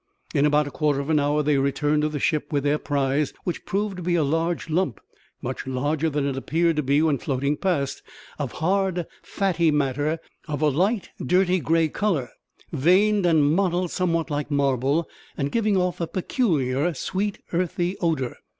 In about a quarter of an hour they returned to the ship with their prize, which proved to be a large lump much larger than it had appeared to be when floating past of hard, fatty matter, of a light, dirty grey colour, veined and mottled somewhat like marble, and giving off a peculiar sweet, earthy odour.